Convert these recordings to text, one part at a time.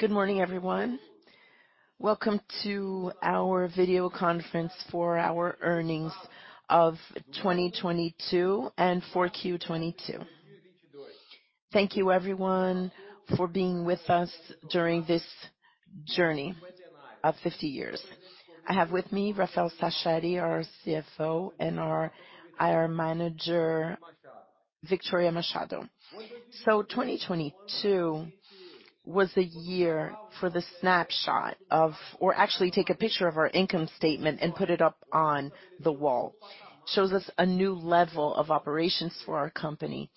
Good morning, everyone. Welcome to our Video Conference for Our Earnings of 2022 and 4Q 2022. Thank you everyone for being with us during this journey of 50 years. I have with me Rafael Sachete, our CFO, and our IR Manager, Victoria Machado. 2022 was the year for the snapshot of or actually take a picture of our income statement and put it up on the wall. Shows us a new level of operations for our company,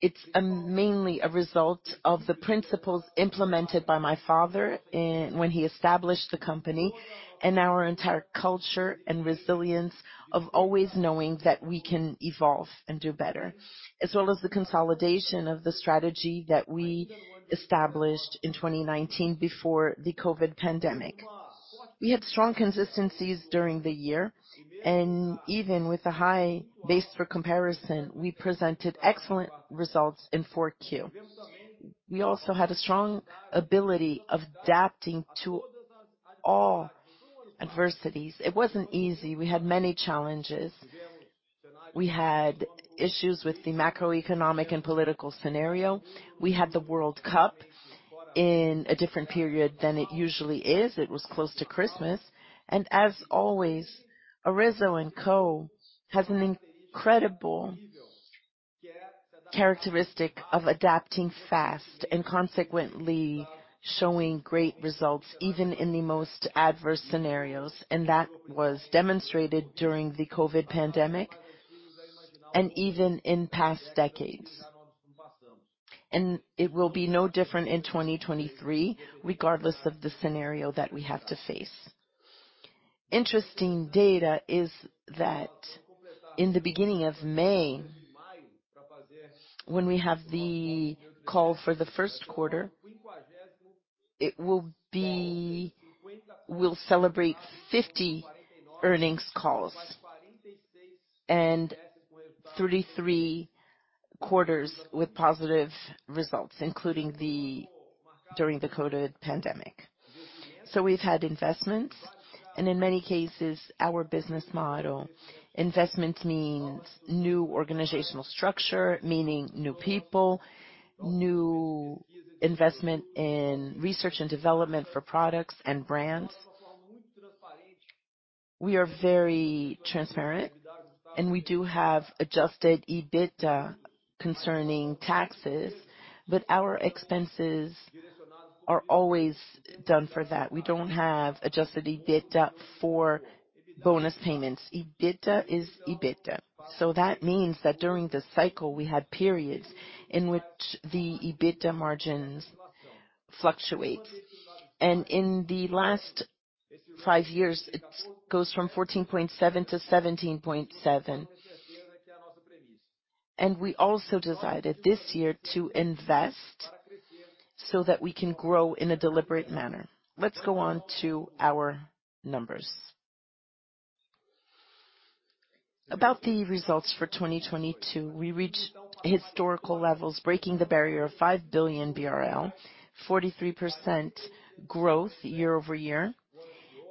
it's mainly a result of the principles implemented by my father when he established the company, and our entire culture and resilience of always knowing that we can evolve and do better, as well as the consolidation of the strategy that we established in 2019 before the COVID pandemic. We had strong consistencies during the year, and even with a high base for comparison, we presented excellent results in 4Q. We also had a strong ability of adapting to all adversities. It wasn't easy. We had many challenges. We had issues with the macroeconomic and political scenario. We had the World Cup in a different period than it usually is. It was close to Christmas. As always, Arezzo & Co has an incredible characteristic of adapting fast, and consequently showing great results even in the most adverse scenarios. That was demonstrated during the COVID pandemic and even in past decades. It will be no different in 2023, regardless of the scenario that we have to face. Interesting data is that in the beginning of May, when we have the call for the first quarter, we'll celebrate 50 earnings calls and 33 quarters with positive results, including during the COVID pandemic. We've had investments and in many cases, our business model. Investments means new organizational structure, meaning new people, new investment in research and development for products and brands. We are very transparent, and we do have Adjusted EBITDA concerning taxes, but our expenses are always done for that. We don't have Adjusted EBITDA for bonus payments. EBITDA is EBITDA. That means that during the cycle we had periods in which the EBITDA margins fluctuate. In the last five years, it goes from 14.7% to 17.7%. We also decided this year to invest so that we can grow in a deliberate manner. Let's go on to our numbers. About the results for 2022, we reached historical levels, breaking the barrier of 5 billion BRL, 43% growth year-over-year.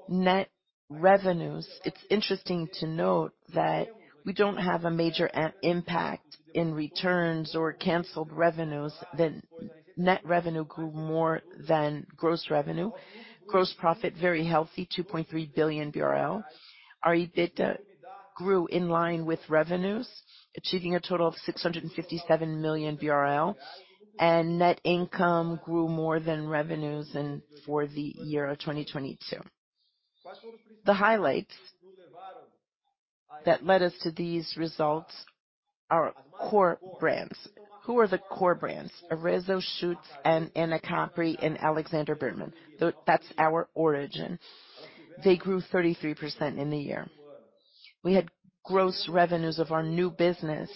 Net revenues. It's interesting to note that we don't have a major impact in returns or canceled revenues. The net revenue grew more than gross revenue. Gross profit, very healthy, 2.3 billion BRL. Our EBITDA grew in line with revenues, achieving a total of 657 million BRL, and net income grew more than revenues for the year of 2022. The highlight that led us to these results are core brands. Who are the core brands? Arezzo Shoes and Anacapri and Alexandre Birman. That's our origin. They grew 33% in the year. We had gross revenues of our new business,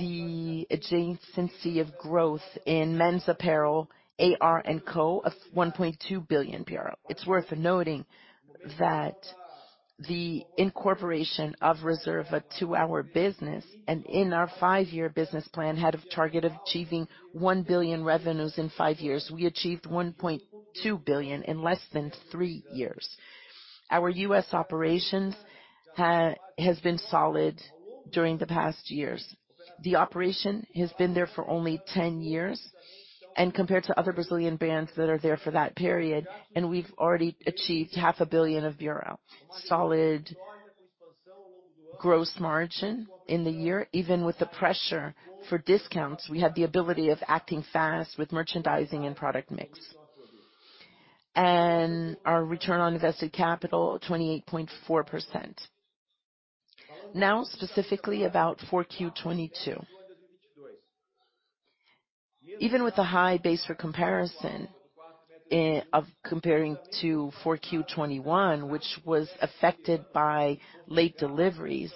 the adjacency of growth in men's apparel, AR&Co of 1.2 billion. It's worth noting that the incorporation of Reserva to our business, and in our five year business plan, had a target of achieving 1 billion revenues in five years. We achieved 1.2 billion in less than three years. Our U.S. operations has been solid during the past years. The operation has been there for only 10 years, and compared to other Brazilian brands that are there for that period, and we've already achieved 0.5 billion of bureau. Solid gross margin in the year. Even with the pressure for discounts, we had the ability of acting fast with merchandising and product mix. Our return on invested capital, 28.4%. Now, specifically about Q4 2022. Even with the high base for comparison, comparing to 4Q 2021, which was affected by late deliveries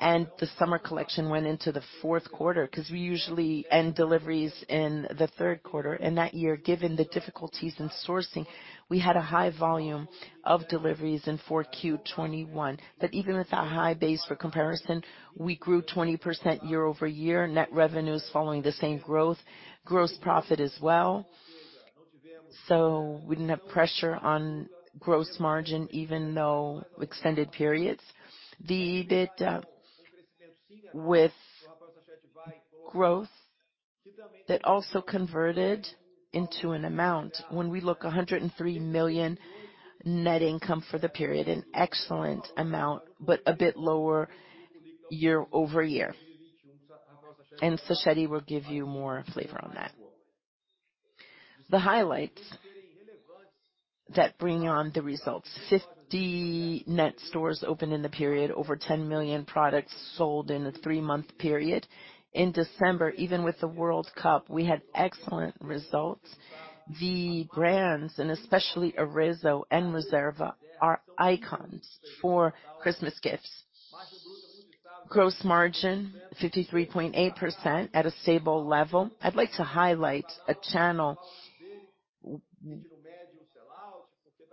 and the summer collection went into the fourth quarter, 'cause we usually end deliveries in the third quarter. That year, given the difficulties in sourcing, we had a high volume of deliveries in 4Q 2021. Even with that high base for comparison, we grew 20% year-over-year, net revenues following the same growth, gross profit as well. So we didn't have pressure on gross margin, even though extended periods. The EBITDA with growth that also converted into an amount. When we look 103 million net income for the period, an excellent amount, but a bit lower year-over-year. Sachete will give you more flavor on that. The highlights that bring on the results, 50 net stores opened in the period. Over 10 million products sold in a three month period. In December, even with the World Cup, we had excellent results. The brands, and especially Arezzo and Reserva, are icons for Christmas gifts. Gross margin, 53.8% at a stable level. I'd like to highlight a channel.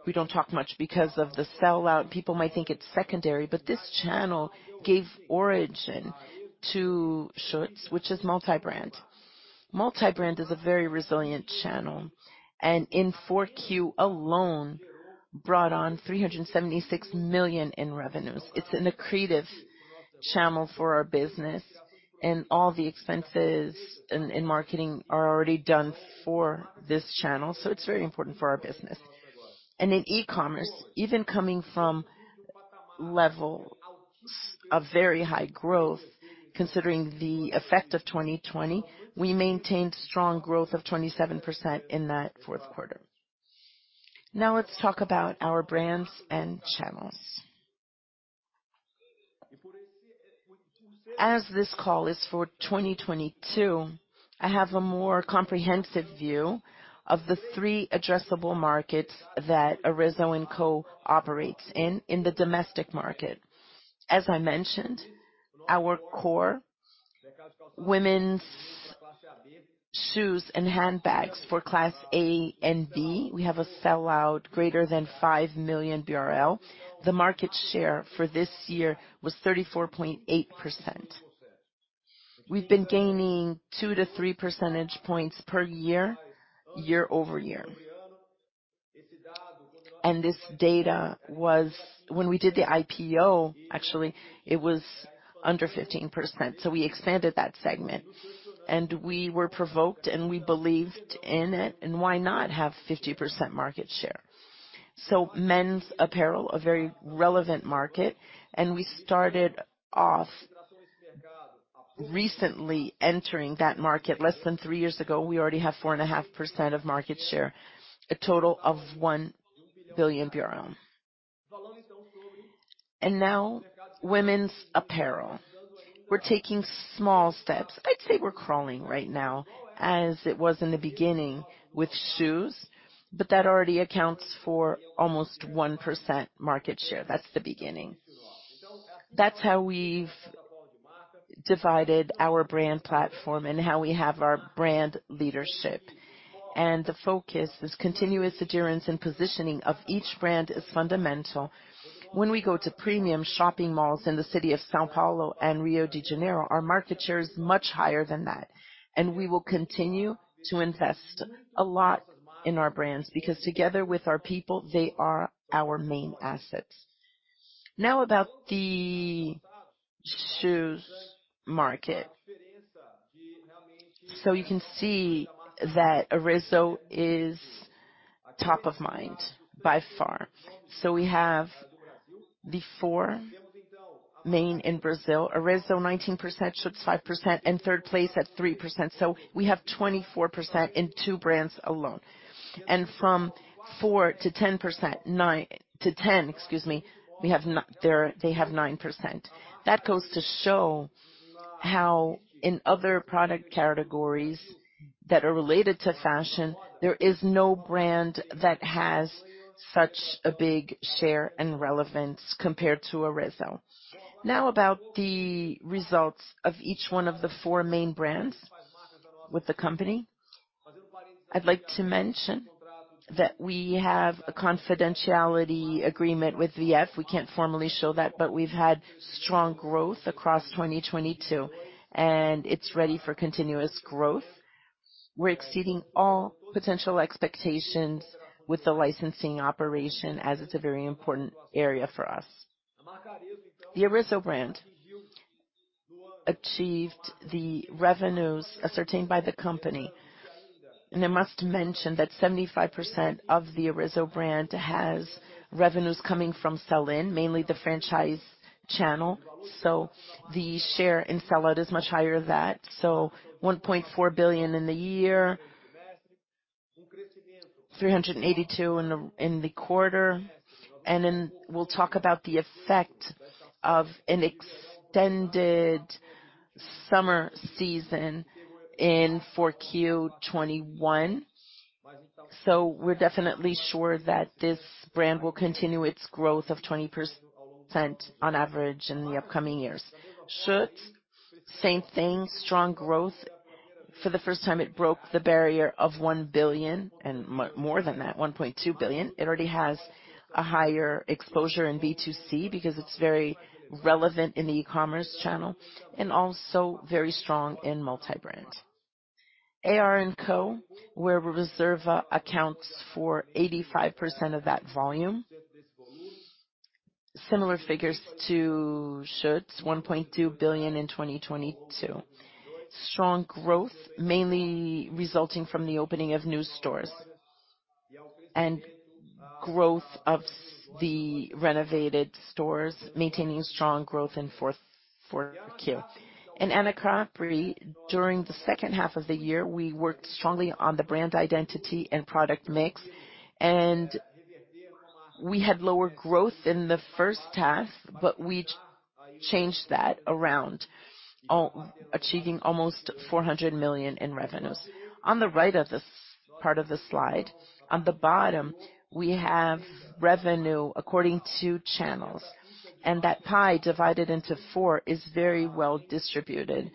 We don't talk much because of the sell-out. People might think it's secondary, this channel gave origin to Schutz, which is multi-brand. Multi-brand is a very resilient channel, in 4Q alone, brought on 376 million in revenues. It's an accretive channel for our business and all the expenses in marketing are already done for this channel, it's very important for our business. In e-commerce, even coming from levels of very high growth, considering the effect of 2020, we maintained strong growth of 27% in that 4Q. Now let's talk about our brands and channels. As this call is for 2022, I have a more comprehensive view of the three addressable markets that Arezzo & Co operates in in the domestic market. As I mentioned, our core women's shoes and handbags for Class A and B, we have a sell-out greater than 5 million BRL. The market share for this year was 34.8%. We've been gaining 2-3 percentage points per year-over-year. This data was when we did the IPO, actually it was under 15%, so we expanded that segment. We were provoked, and we believed in it, and why not have 50% market share? Men's apparel, a very relevant market, and we started off recently entering that market less than three years ago. We already have 4.5% of market share, a total of 1 billion. Now women's apparel. We're taking small steps. I'd say we're crawling right now, as it was in the beginning with shoes, that already accounts for almost 1% market share. That's the beginning. That's how we've divided our brand platform and how we have our brand leadership. The focus is continuous adherence and positioning of each brand is fundamental. When we go to premium shopping malls in the city of São Paulo and Rio de Janeiro, our market share is much higher than that, we will continue to invest a lot in our brands because together with our people, they are our main assets. Now about the shoes market. You can see that Arezzo is top of mind by far. We have before main in Brazil, Arezzo 19%, Schutz 5%, and third place at 3%. We have 24% in two brands alone. From 4%-10%, 9%-10%, excuse me, they have 9%. That goes to show how in other product categories that are related to fashion, there is no brand that has such a big share and relevance compared to Arezzo. About the results of each one of the four main brands with the company. I'd like to mention that we have a confidentiality agreement with VF. We can't formally show that, but we've had strong growth across 2022, and it's ready for continuous growth. We're exceeding all potential expectations with the licensing operation as it's a very important area for us. The Arezzo brand achieved the revenues ascertained by the company. I must mention that 75% of the Arezzo brand has revenues coming from sell-in, mainly the franchise channel. The share in sell-out is much higher than that. 1.4 billion in the year, 382 million in the quarter. We'll talk about the effect of an extended summer season in 4Q 2021. We're definitely sure that this brand will continue its growth of 20% on average in the upcoming years. Schutz, same thing, strong growth. For the first time, it broke the barrier of 1 billion and more than that, 1.2 billion. It already has a higher exposure in B2C because it's very relevant in the e-commerce channel and also very strong in multi-brand. AR&Co, where Reserva accounts for 85% of that volume. Similar figures to Schutz, 1.2 billion in 2022. Strong growth mainly resulting from the opening of new stores and growth of the renovated stores, maintaining strong growth in 4Q. Anacapri during the second half of the year, we worked strongly on the brand identity and product mix, we had lower growth in the first half, we changed that around achieving almost 400 million in revenues. On the right of this part of the slide, on the bottom, we have revenue according to channels, that pie divided into four is very well distributed.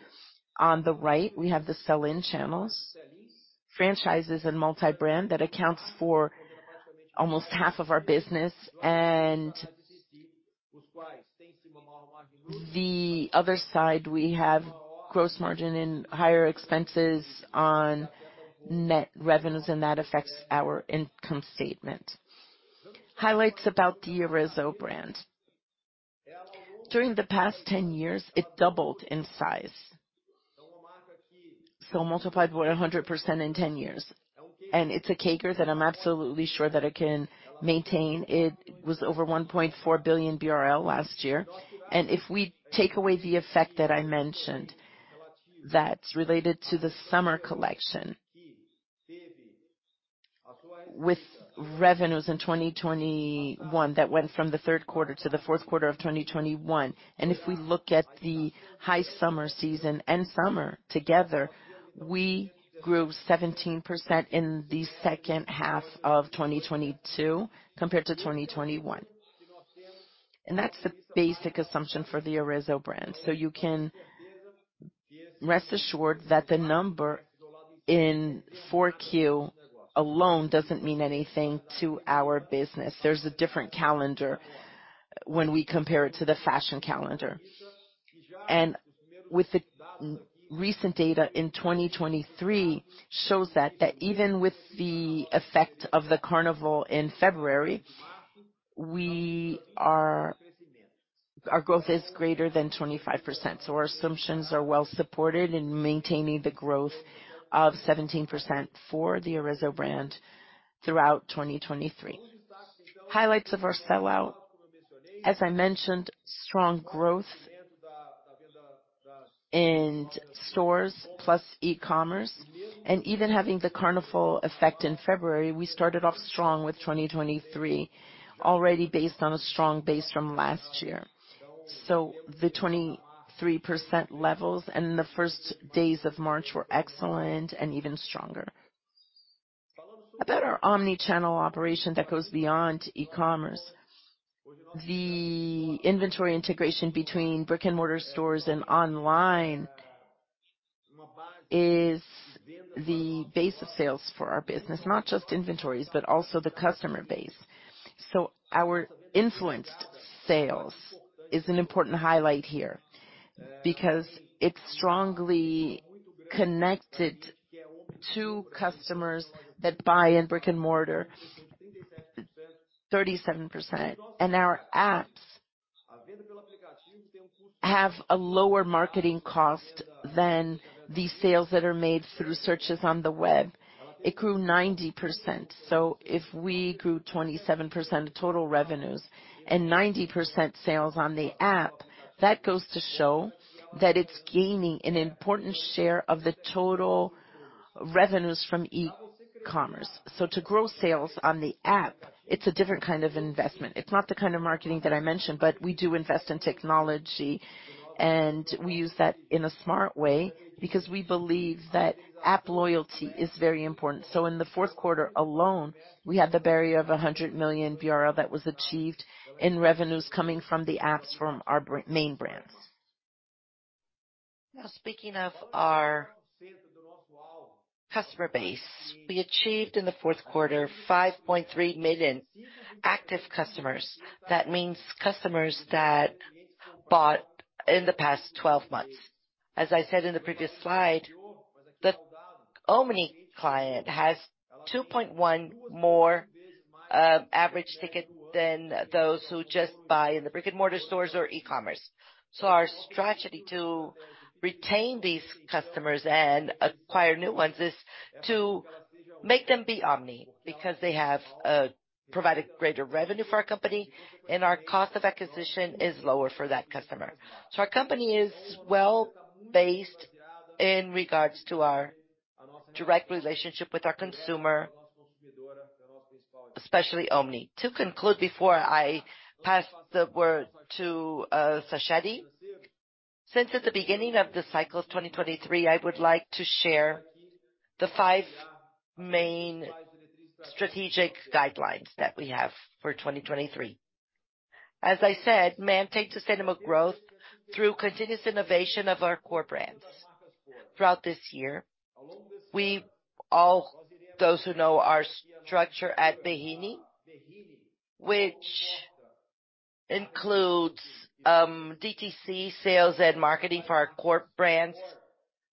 On the right, we have the sell-in channels, franchises and multi-brand that accounts for almost half of our business. The other side, we have gross margin and higher expenses on net revenues. That affects our income statement. Highlights about the Arezzo brand. During the past 10 years, it doubled in size. Multiplied by 100% in 10 years. It's a CAGR that I'm absolutely sure that it can maintain. It was over 1.4 billion BRL last year. If we take away the effect that I mentioned that's related to the summer collection, with revenues in 2021 that went from the third quarter to the fourth quarter of 2021, if we look at the high summer season and summer together, we grew 17% in the second half of 2022 compared to 2021. That's the basic assumption for the Arezzo brand. You can rest assured that the number in 4Q alone doesn't mean anything to our business. There's a different calendar when we compare it to the fashion calendar. With the recent data in 2023 shows that even with the effect of the Carnival in February, our growth is greater than 25%. Our assumptions are well supported in maintaining the growth of 17% for the Arezzo brand throughout 2023. Highlights of our sell-out. As I mentioned, strong growth in stores plus e-commerce. Even having the Carnival effect in February, we started off strong with 2023, already based on a strong base from last year. The 23% levels and the first days of March were excellent and even stronger. About our omni-channel operation that goes beyond e-commerce. The inventory integration between brick-and-mortar stores and online is the base of sales for our business, not just inventories, but also the customer base. Our influenced sales is an important highlight here because it's strongly connected to customers that buy in brick-and-mortar, 37%. Our apps have a lower marketing cost than the sales that are made through searches on the web. It grew 90%. If we grew 27% of total revenues and 90% sales on the app, that goes to show that it's gaining an important share of the total revenues from e-commerce. To grow sales on the app, it's a different kind of investment. It's not the kind of marketing that I mentioned, but we do invest in technology, and we use that in a smart way because we believe that app loyalty is very important. In the fourth quarter alone, we had the barrier of 100 million BRL that was achieved in revenues coming from the apps from our main brands. Speaking of our customer base, we achieved in the fourth quarter 5.3 million active customers. That means customers that bought in the past 12 months. As I said in the previous slide, the omni-client has 2.1 more average ticket than those who just buy in the brick-and-mortar stores or e-commerce. Our strategy to retain these customers and acquire new ones is to make them be omni because they have provided greater revenue for our company and our cost of acquisition is lower for that customer. Our company is well based in regards to our direct relationship with our consumer, especially omni. To conclude, before I pass the word to Sachete, since at the beginning of the cycle of 2023, I would like to share the five main strategic guidelines that we have for 2023. As I said, maintain sustainable growth through continuous innovation of our core brands. Throughout this year. All those who know our structure at Berrini, which includes DTC sales and marketing for our core brands.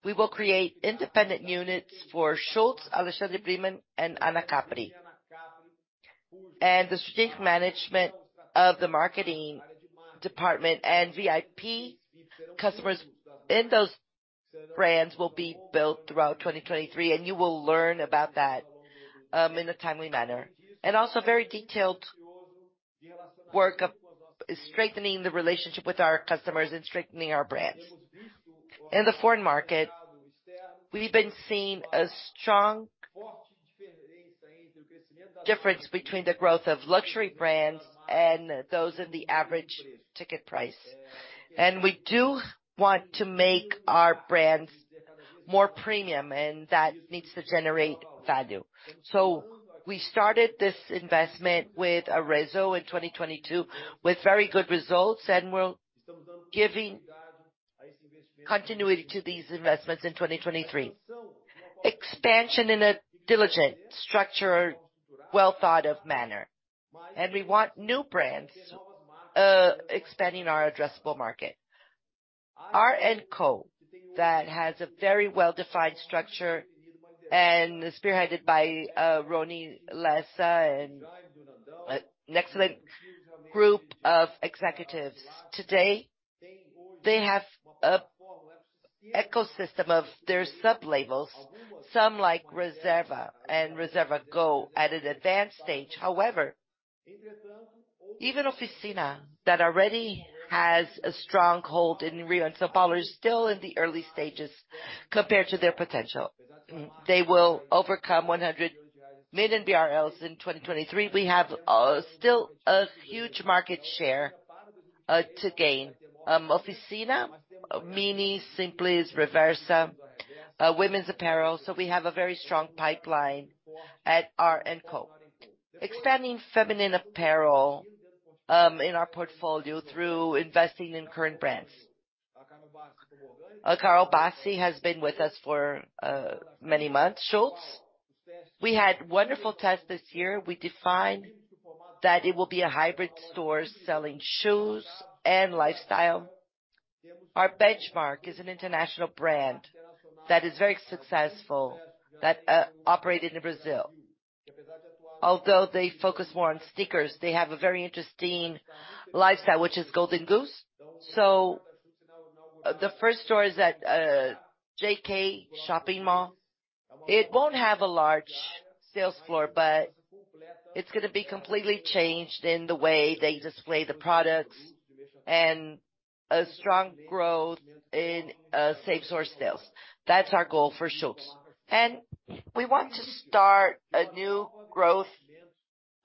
We will create independent units for Schutz, Alexandre Birman, and Anacapri. The strategic management of the marketing department and VIP customers in those brands will be built throughout 2023, and you will learn about that in a timely manner. Also very detailed work of strengthening the relationship with our customers and strengthening our brands. In the foreign market, we've been seeing a strong difference between the growth of luxury brands and those in the average ticket price. We do want to make our brands more premium, and that needs to generate value. We started this investment with Arezzo in 2022 with very good results, and we're giving continuity to these investments in 2023. Expansion in a diligent structure, well thought of manner. We want new brands, expanding our addressable market. AR&Co, that has a very well-defined structure and is spearheaded by Rony Meisler and an excellent group of executives. Today, they have an ecosystem of their sub-labels, some like Reserva and Reserva Go at an advanced stage. However, even Oficina that already has a strong hold in Rio and São Paulo is still in the early stages compared to their potential. They will overcome 100 million BRL in 2023. We have still a huge market share to gain. Oficina, Mini, Simples, Reversa, women's apparel. We have a very strong pipeline at AR&Co. Expanding feminine apparel in our portfolio through investing in current brands. Carol Bassi has been with us for many months. Schutz, we had wonderful tests this year. We defined that it will be a hybrid store selling shoes and lifestyle. Our benchmark is an international brand that is very successful that operated in Brazil. Although they focus more on sneakers, they have a very interesting lifestyle, which is Golden Goose. The first store is at JK Shopping Mall. It won't have a large sales floor, but it's gonna be completely changed in the way they display the products and a strong growth in same-store sales. That's our goal for Schutz. We want to start a new growth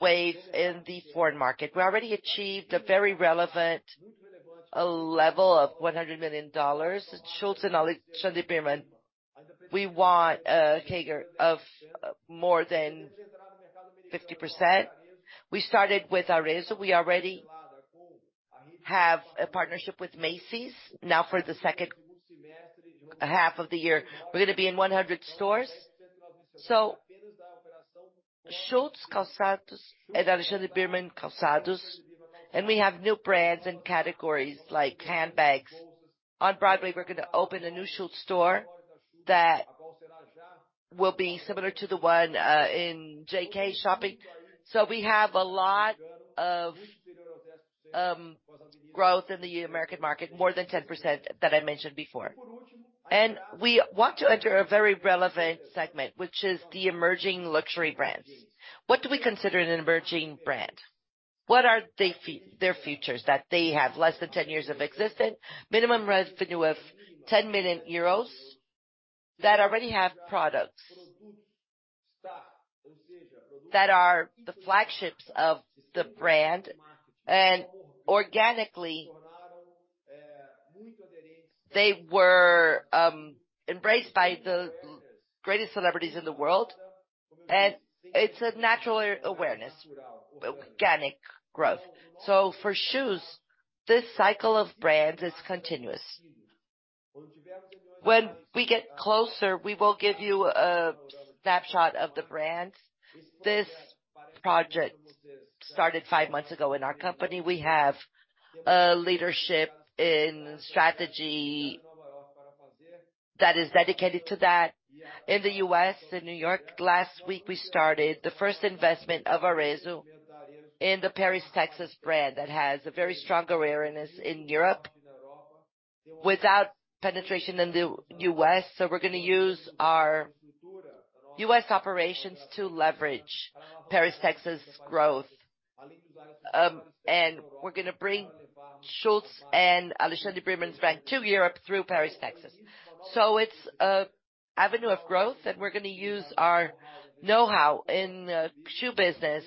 wave in the foreign market. We already achieved a very relevant level of $100 million at Schutz and Alexandre Birman. We want a CAGR of more than 50%. We started with Arezzo. We already have a partnership with Macy's. Now for the second half of the year, we're gonna be in 100 stores. Schutz Calçados and Alexandre Birman Calçados, and we have new brands and categories like handbags. On Broadway, we're going to open a new Schutz store that will be similar to the one in JK Shopping. We have a lot of growth in the American market, more than 10% that I mentioned before. We want to enter a very relevant segment, which is the emerging luxury brands. What do we consider an emerging brand? What are their features that they have? Less than 10 years of existence, minimum revenue of 10 million euros that already have products that are the flagships of the brand. Organically, they were embraced by the greatest celebrities in the world. It's a natural awareness, organic growth. For shoes, this cycle of brands is continuous. When we get closer, we will give you a snapshot of the brands. This project started five months ago in our company. We have a leadership in strategy that is dedicated to that. In the U.S., in New York, last week, we started the first investment of Arezzo in the Paris, Texas brand that has a very strong awareness in Europe without penetration in the U.S. we're going to use our U.S. operations to leverage Paris, Texas' growth. we're going to bring Schutz and Alexandre Birman's brand to Europe through Paris, Texas. it's a avenue of growth, we're going to use our know-how in shoe business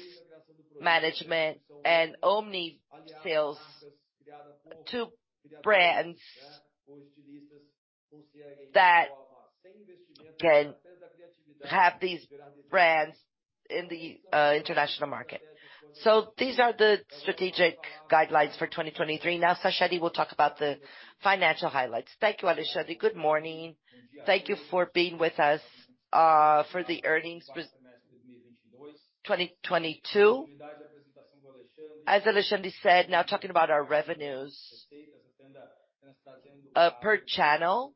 management and omni-sales to brands that can have these brands in the international market. These are the strategic guidelines for 2023. Sachete will talk about the financial highlights. Thank you, Alexandre. Good morning. Thank you for being with us for the earnings 2022. As Alexandre said, now talking about our revenues. Per channel,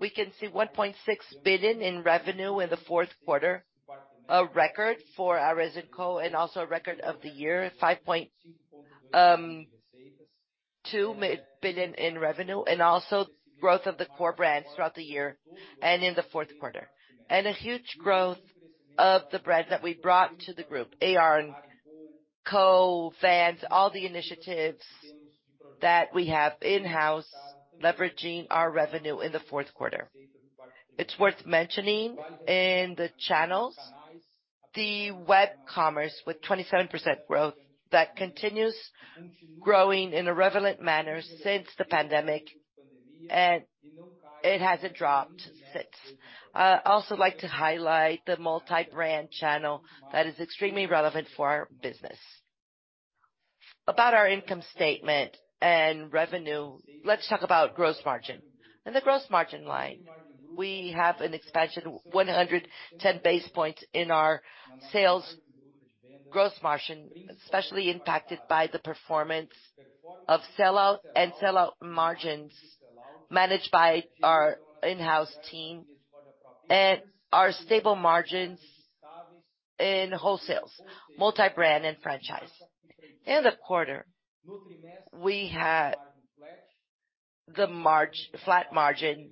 we can see 1.6 billion in revenue in the fourth quarter, a record for our Arezzo & Co and also a record of the year, 5.2 billion in revenue, and also growth of the core brands throughout the year and in the fourth quarter. A huge growth of the brands that we brought to the group, AR&Co brands, all the initiatives that we have in-house leveraging our revenue in the fourth quarter. It's worth mentioning in the channels, the web commerce with 27% growth that continues growing in a relevant manner since the pandemic, and it hasn't dropped since. I also like to highlight the multi-brand channel that is extremely relevant for our business. About our income statement and revenue, let's talk about gross margin. In the gross margin line, we have an expansion 110 basis points in our sales gross margin, especially impacted by the performance of sell-out and sell-out margins managed by our in-house team and our stable margins in wholesales, multi-brand and franchise. In the quarter, we had the flat margin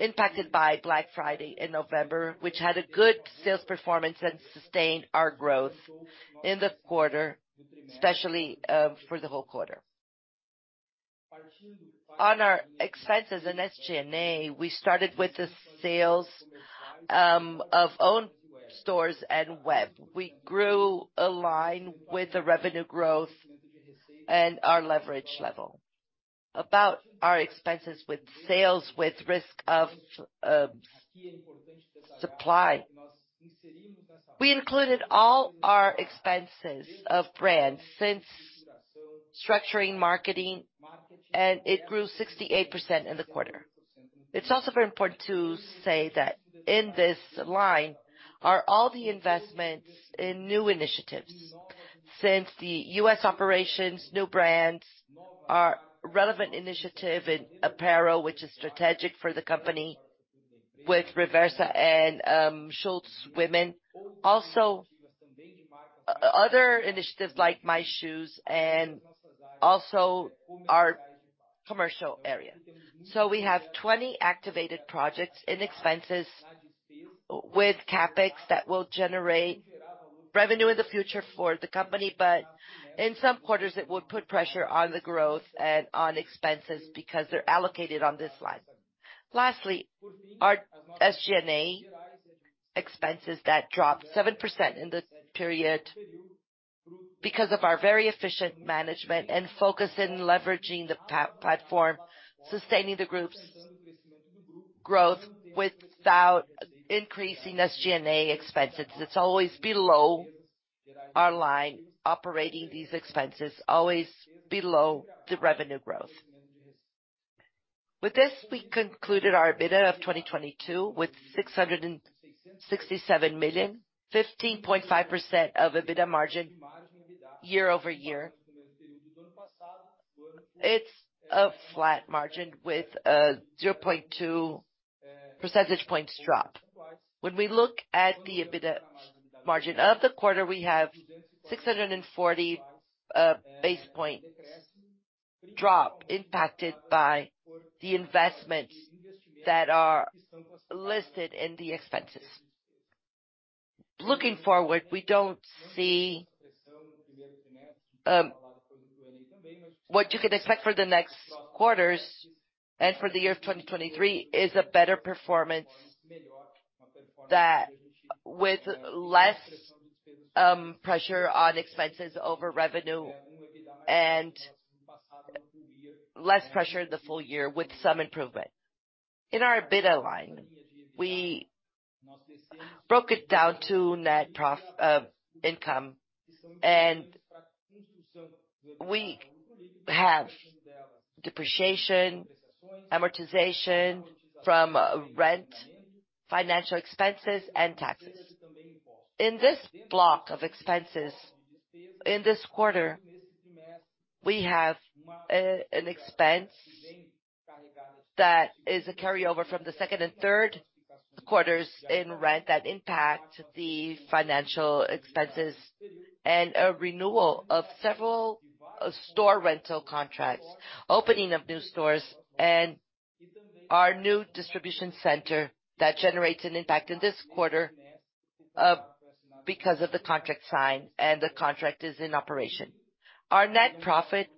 impacted by Black Friday in November, which had a good sales performance and sustained our growth in the quarter, especially for the whole quarter. On our expenses in SG&A, we started with the sales of own stores and web. We grew a line with the revenue growth and our leverage level. About our expenses with sales with risk of supply, we included all our expenses of brands since structuring marketing, and it grew 68% in the quarter. It's also very important to say that in this line are all the investments in new initiatives. Since the U.S. operations, new brands are relevant initiative in apparel, which is strategic for the company with Reversa and Schutz Women. Other initiatives like MyShoes and also our commercial area. We have 20 activated projects in expenses with CapEx that will generate revenue in the future for the company, but in some quarters, it would put pressure on the growth and on expenses because they're allocated on this slide. Lastly, our SG&A expenses that dropped 7% in the period because of our very efficient management and focus in leveraging the platform, sustaining the group's growth without increasing SG&A expenses. It's always below our line operating these expenses, always below the revenue growth. With this, we concluded our EBITDA of 2022 with 667 million, 15.5% of EBITDA margin year-over-year. It's a flat margin with a 0.2 percentage points drop. When we look at the EBITDA margin of the quarter, we have 640 basis points drop impacted by the investments that are listed in the expenses. Looking forward, we don't see what you can expect for the next quarters and for the year of 2023 is a better performance that with less pressure on expenses over revenue and less pressure the full year with some improvement. In our EBITDA line, we broke it down to net income. We have depreciation, amortization from rent, financial expenses, and taxes. In this block of expenses in this quarter, we have an expense that is a carryover from the second and third quarters in rent that impact the financial expenses and a renewal of several store rental contracts, opening of new stores and our new distribution center that generates an impact in this quarter because of the contract signed and the contract is in operation. Our net profit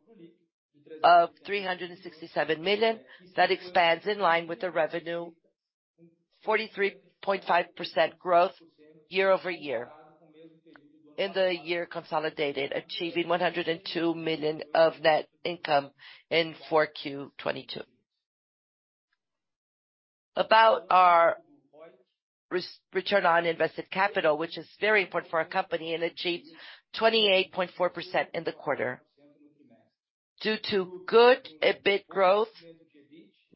of 367 million, that expands in line with the revenue 43.5% growth year-over-year. In the year consolidated, achieving 102 million of net income in 4Q 2022. About our return on invested capital, which is very important for our company, and achieved 28.4% in the quarter. Due to good EBIT growth,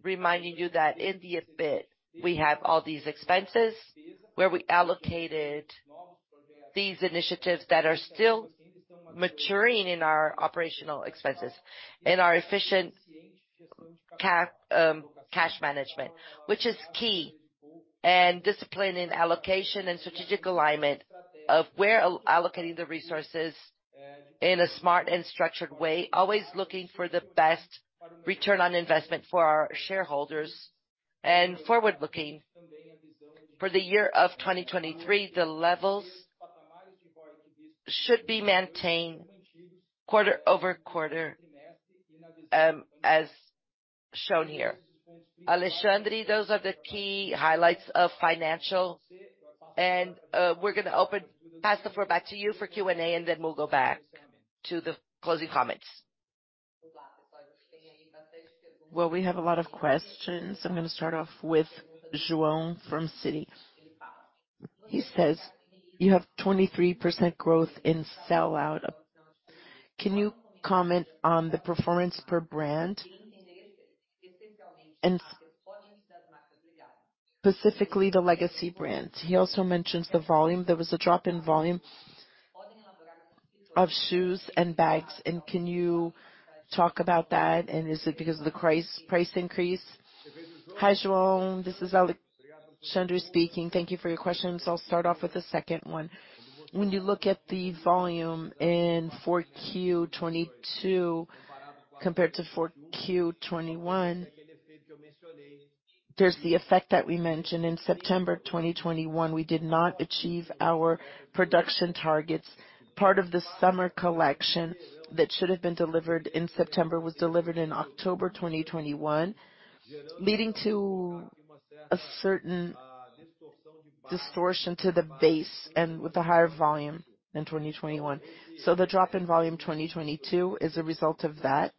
reminding you that in the EBIT we have all these expenses where we allocated these initiatives that are still maturing in our operational expenses and our efficient cash management, which is key. Discipline in allocation and strategic alignment of where allocating the resources in a smart and structured way, always looking for the best return on investment for our shareholders. Forward-looking for the year of 2023, the levels should be maintained quarter-over-quarter, as shown here. Alexandre, those are the key highlights of financial. We're gonna pass the floor back to you for Q&A, and then we'll go back to the closing comments. We have a lot of questions. I'm gonna start off with João from Citi. He says you have 23% growth in sell-out. Can you comment on the performance per brand? Specifically the legacy brands. He also mentions the volume. There was a drop in volume of shoes and bags, can you talk about that, and is it because of the price increase? Hi, João, this is Alexandre speaking. Thank you for your question, I'll start off with the second one. When you look at the volume in 4Q 2022 compared to 4Q 2021, there's the effect that we mentioned. In September 2021, we did not achieve our production targets. Part of the summer collection that should've been delivered in September was delivered in October 2021, leading to a certain distortion to the base and with a higher volume in 2021. The drop in volume 2022 is a result of that.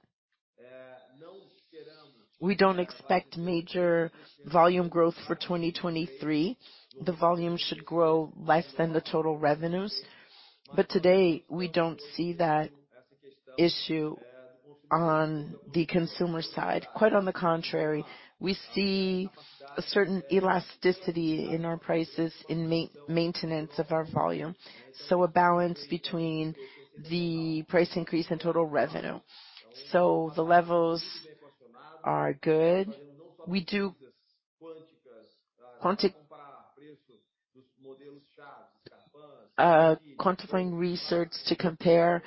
We don't expect major volume growth for 2023. The volume should grow less than the total revenues. Today we don't see that issue on the consumer side. Quite on the contrary. We see a certain elasticity in our prices in maintenance of our volume, a balance between the price increase and total revenue. The levels are good. We do quantifying research to compare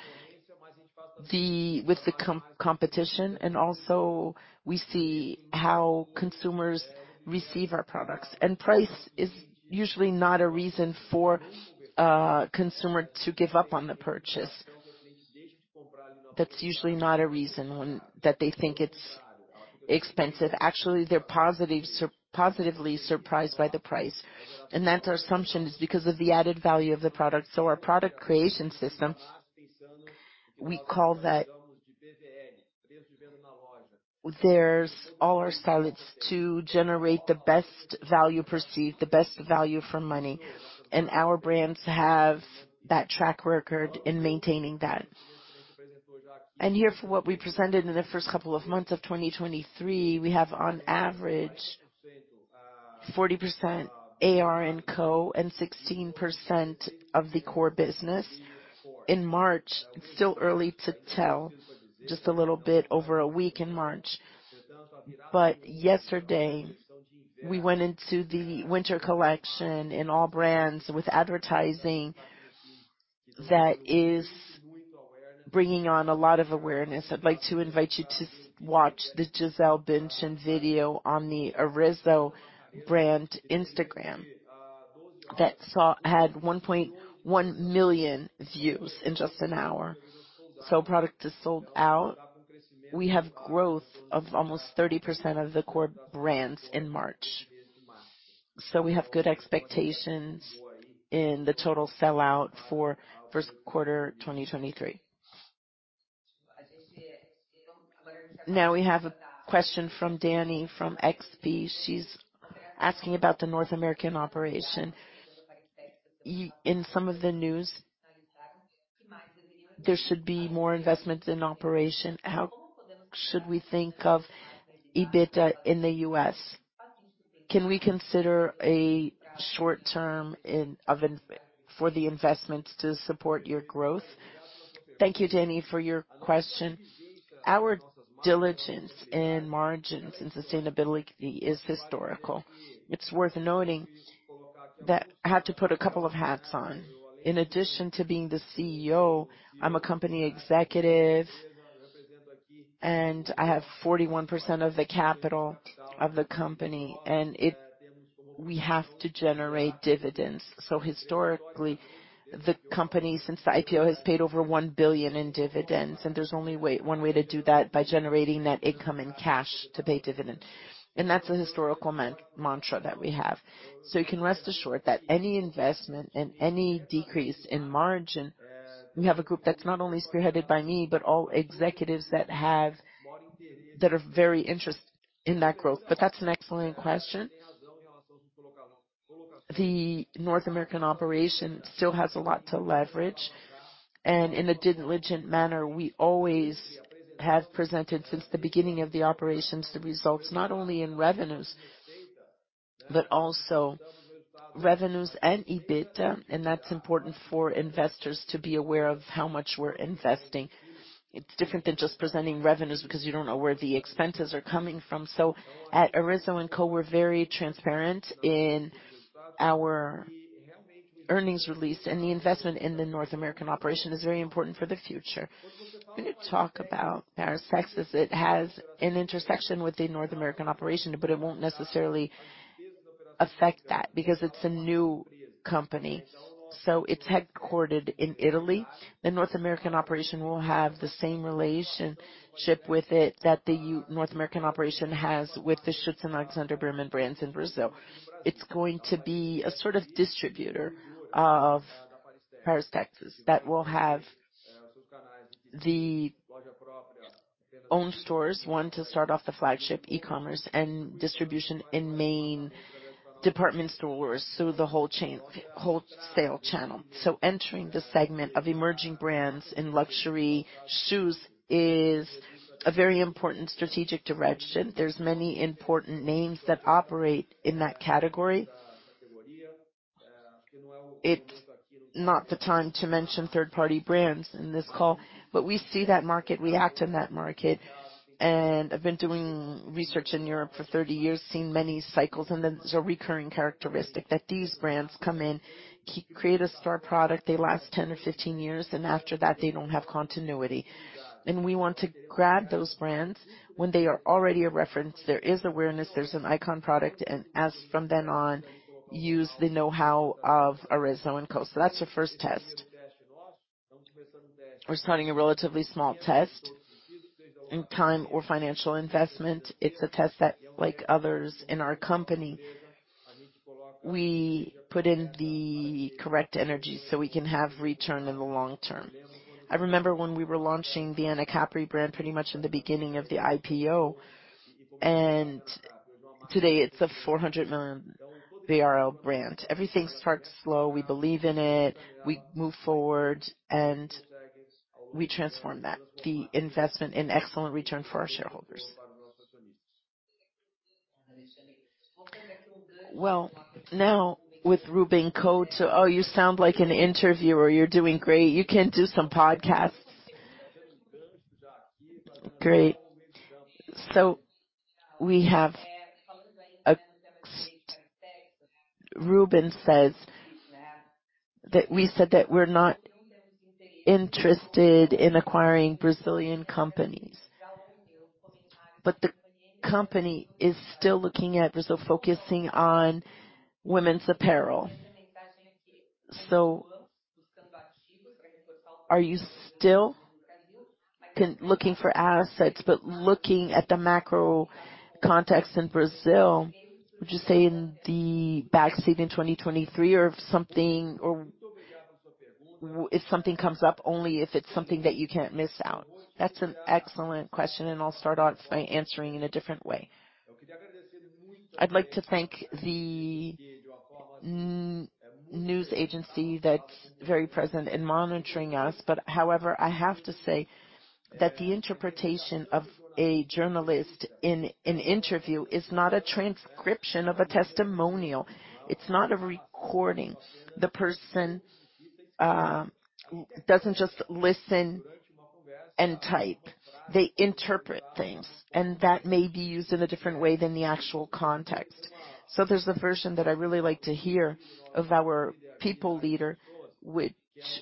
with the competition, and also we see how consumers receive our products. Price is usually not a reason for a consumer to give up on the purchase. That's usually not a reason that they think it's expensive. Actually, they're positively surprised by the price, and that assumption is because of the added value of the product. Our product creation system. There's all our efforts to generate the best value perceived, the best value for money, and our brands have that track record in maintaining that. Here for what we presented in the first couple of months of 2023, we have on average 40% AR&Co and 16% of the core business. In March, it's still early to tell, just a little bit over a week in March. Yesterday we went into the winter collection in all brands with advertising that is bringing on a lot of awareness. I'd like to invite you to watch the Gisele Bündchen video on the Arezzo brand Instagram that had 1.1 million views in just an hour. Product is sold out. We have growth of almost 30% of the core brands in March. We have good expectations in the total sell-out for first quarter 2023. Now we have a question from Danni from XP. She's asking about the North American operation. In some of the news, there should be more investments in operation. How should we think of EBITDA in the U.S.? Can we consider a short-term for the investments to support your growth? Thank you, Danni, for your question. Our diligence in margins and sustainability is historical. It's worth noting that I had to put a couple of hats on. In addition to being the CEO, I'm a company executive, I have 41% of the capital of the company, we have to generate dividends. Historically, the company, since the IPO, has paid over 1 billion in dividends, there's only one way to do that, by generating that income in cash to pay dividend. That's a historical mantra that we have. You can rest assured that any investment and any decrease in margin, we have a group that's not only spearheaded by me, but all executives that are very interested in that growth. That's an excellent question. The North American operation still has a lot to leverage. In a diligent manner, we always have presented since the beginning of the operations, the results not only in revenues, but also revenues and EBITDA. That's important for investors to be aware of how much we're investing. It's different than just presenting revenues because you don't know where the expenses are coming from. At Arezzo & Co, we're very transparent in our earnings release, and the investment in the North American operation is very important for the future. When you talk about Paris, Texas, it has an intersection with the North American operation, but it won't necessarily affect that because it's a new company. It's headquartered in Italy. The North American operation will have the same relationship with it that the North American operation has with the Schutz and Alexandre Birman brands in Brazil. It's going to be a sort of distributor of Paris, Texas that will have the own stores. One, to start off the flagship e-commerce and distribution in main department stores. The whole wholesale channel. Entering the segment of emerging brands in luxury shoes is a very important strategic direction. There's many important names that operate in that category. It's not the time to mention third-party brands in this call, but we see that market, we act in that market. I've been doing research in Europe for 30 years, seen many cycles, and there's a recurring characteristic that these brands come in, create a star product, they last 10 or 15 years, and after that they don't have continuity. We want to grab those brands when they are already a reference. There is awareness, there's an icon product, and as from then on, use the know-how of Arezzo & Co. That's your first test. We're starting a relatively small test in time or financial investment. It's a test that, like others in our company, we put in the correct energy so we can have return in the long term. I remember when we were launching the Anacapri brand pretty much in the beginning of the IPO, and today it's a 400 million BRL brand. Everything starts slow. We believe in it, we move forward, and we transform that, the investment in excellent return for our shareholders. Well, now with Ruben Couto. Oh, you sound like an interviewer. You're doing great. You can do some podcasts. Great. We have Ruben says that we said that we're not interested in acquiring Brazilian companies, but the company is still looking at Brazil, focusing on women's apparel. Are you still looking for assets, but looking at the macro context in Brazil, would you say in the backseat in 2023 or if something or if something comes up, only if it's something that you can't miss out? That's an excellent question, and I'll start off by answering in a different way. I'd like to thank the news agency that's very present in monitoring us. I have to say that the interpretation of a journalist in an interview is not a transcription of a testimonial. It's not a recording. The person doesn't just listen and type. They interpret things, and that may be used in a different way than the actual context. There's the version that I really like to hear of our people leader,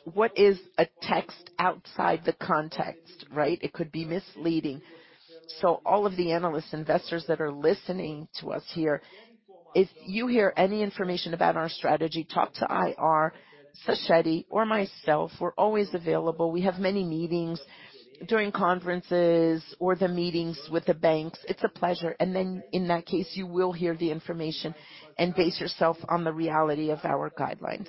what is a text outside the context, right? It could be misleading. All of the analysts, investors that are listening to us here, if you hear any information about our strategy, talk to IR, Sachete or myself. We're always available. We have many meetings during conferences or the meetings with the banks. It's a pleasure. In that case, you will hear the information and base yourself on the reality of our guidelines.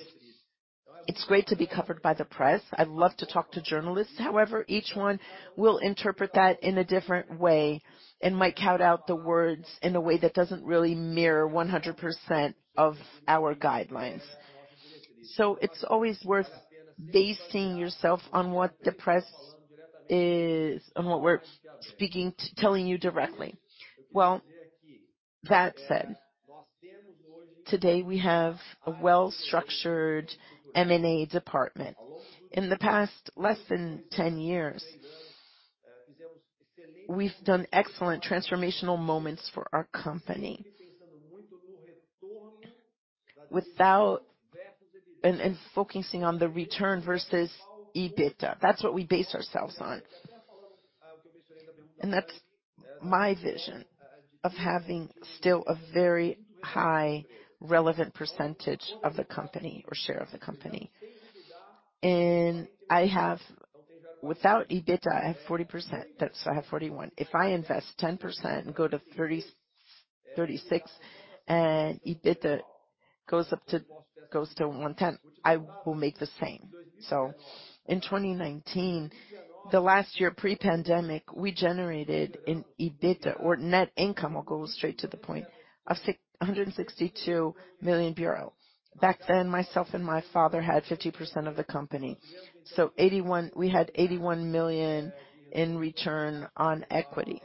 It's great to be covered by the press. I love to talk to journalists. However, each one will interpret that in a different way and might cut out the words in a way that doesn't really mirror 100% of our guidelines. It's always worth basing yourself on what we're speaking, telling you directly. That said, today we have a well-structured M&A department. In the past less than 10 years, we've done excellent transformational moments for our company. Focusing on the return versus EBITDA. That's what we base ourselves on. That's my vision of having still a very high relevant percentage of the company or share of the company. Without EBITDA, I have 40%. I have 41%. If I invest 10% and go to 36% and EBITDA goes to 110%. I will make the same. In 2019, the last year pre-pandemic, we generated an EBITDA or net income. I'll go straight to the point, of 662 million. Back then, myself and my father had 50% of the company, we had 81 million in return on equity.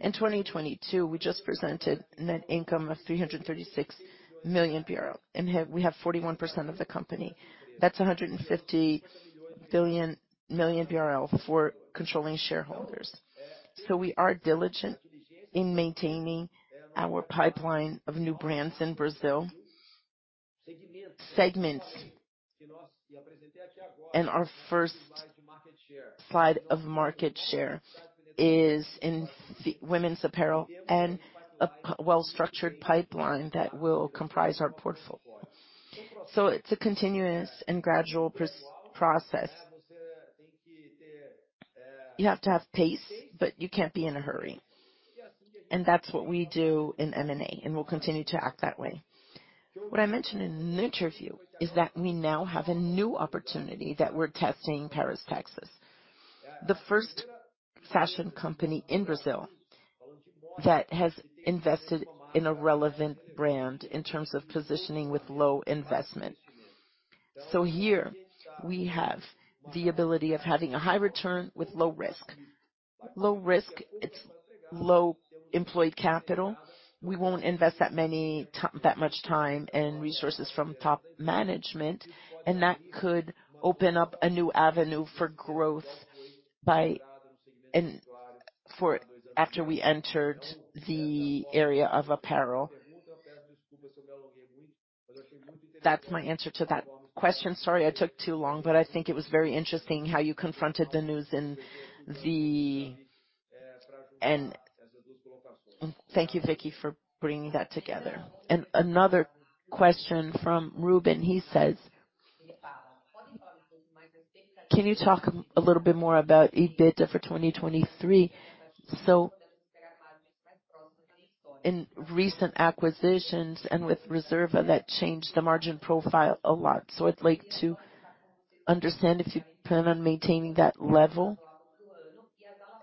In 2022, we just presented net income of 336 million, we have 41% of the company. That's 150 million for controlling shareholders. We are diligent in maintaining our pipeline of new brands in Brazil. Segment. Our first slide of market share is in women's apparel and a well-structured pipeline that will comprise our portfolio. It's a continuous and gradual process. You have to have pace, but you can't be in a hurry. That's what we do in M&A, and we'll continue to act that way. What I mentioned in the interview is that we now have a new opportunity that we're testing Paris, Texas. The first fashion company in Brazil that has invested in a relevant brand in terms of positioning with low investment. Here we have the ability of having a high return with low risk. Low risk, it's low employed capital. We won't invest that much time and resources from top management, and that could open up a new avenue for growth after we entered the area of apparel. That's my answer to that question. Sorry I took too long, but I think it was very interesting how you confronted the news in the. Thank you, Vicky, for bringing that together. Another question from Ruben. He says, "Can you talk a little bit more about EBITDA for 2023? In recent acquisitions and with Reserva, that changed the margin profile a lot. I'd like to understand if you plan on maintaining that level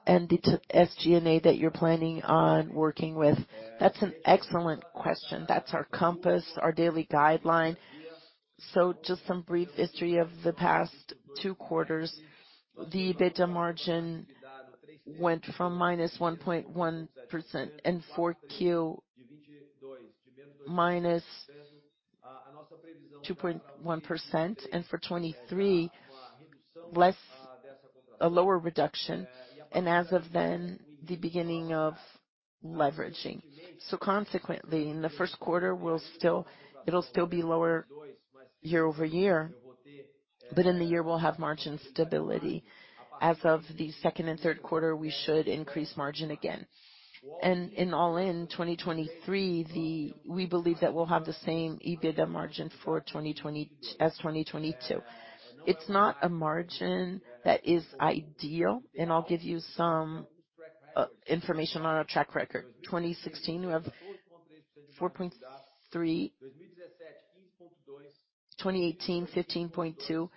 and the SG&A that you're planning on working with." That's an excellent question. That's our compass, our daily guideline. Just some brief history of the past two quarters. The EBITDA margin went from -1.1% and 4Q -2.1%, and for 2023 a lower reduction. As of then, the beginning of leveraging. Consequently, in the first quarter it'll still be lower year-over-year, but in the year we'll have margin stability. As of the second and third quarter, we should increase margin again. In all in 2023, we believe that we'll have the same EBITDA margin as 2022. It's not a margin that is ideal. I'll give you some information on our track record. 2016, we have 4.3%. 2018, 15.2%.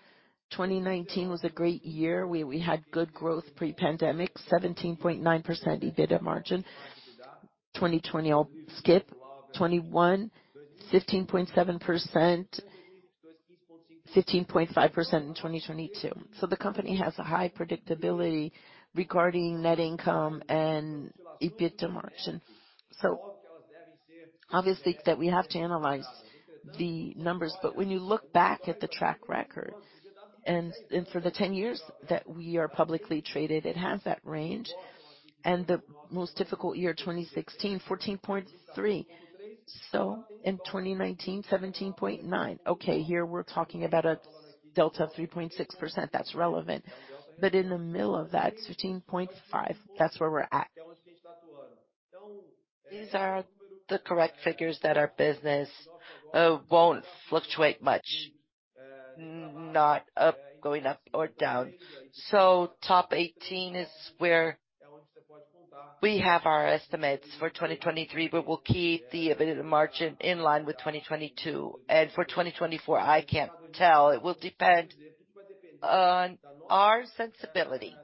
2019 was a great year. We had good growth pre-pandemic. 17.9% EBITDA margin. 2020, I'll skip. 2021, 15.7%. 15.5% in 2022. The company has a high predictability regarding net income and EBITDA margin. Obviously that we have to analyze the numbers, but when you look back at the track record and for the 10 years that we are publicly traded, it has that range. The most difficult year, 2016, 14.3%. In 2019, 17.9%. Here we're talking about a delta of 3.6%. That's relevant. In the middle of that, 15.5%, that's where we're at. These are the correct figures that our business won't fluctuate much, going up or down. Top 18 is where we have our estimates for 2023, but we'll keep the EBITDA margin in line with 2022. For 2024, I can't tell. It will depend on our sensibility,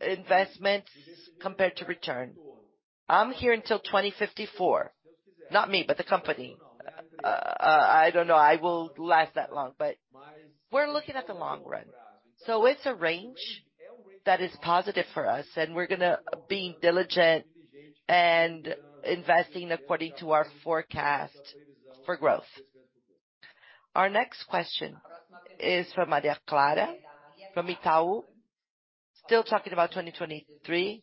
investment compared to return. I'm here until 2054. Not me, but the company. I don't know I will last that long, but we're looking at the long run. It's a range that is positive for us, and we're gonna be diligent and investing according to our forecast for growth. Our next question is from Maria Clara, from Itaú. Still talking about 2023.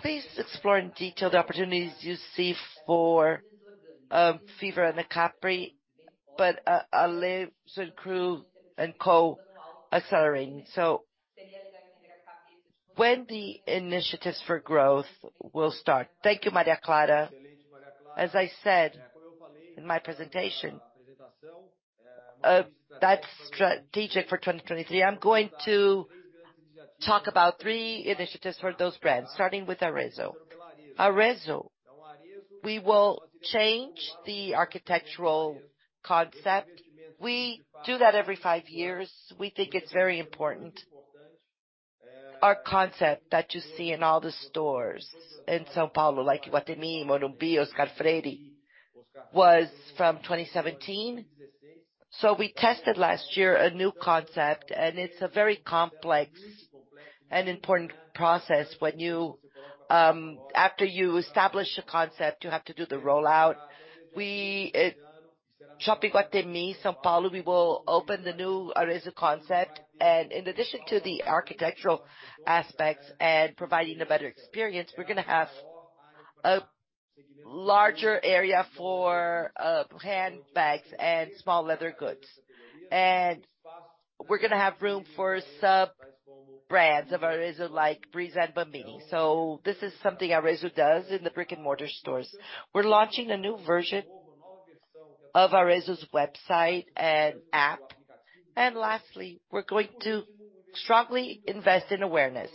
Please explore in detail the opportunities you see for Fiever and Anacapri, but Arezzo & Co accelerating. When the initiatives for growth will start? Thank you, Maria Clara. As I said in my presentation That's strategic for 2023. I'm going to talk about three initiatives for those brands, starting with Arezzo. Arezzo, we will change the architectural concept. We do that every five years. We think it's very important. Our concept that you see in all the stores in São Paulo, like Iguatemi, Morumbi, Oscar Freire was from 2017. We tested last year a new concept, and it's a very complex and important process when you, after you establish a concept, you have to do the rollout. We, Shopping Iguatemi, São Paulo, we will open the new Arezzo concept. In addition to the architectural aspects and providing a better experience, we're gonna have a larger area for handbags and small leather goods. We're gonna have room for sub-brands of Arezzo, like Brizza and Bambini. This is something Arezzo does in the brick-and-mortar stores. We're launching a new version of Arezzo's website and app. Lastly, we're going to strongly invest in awareness.